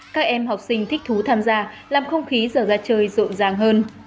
các em học sinh thích thú tham gia làm không khí giờ ra chơi rộn ràng hơn